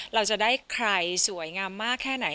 เราจะได้ใครสวยงามมากแค่ไหน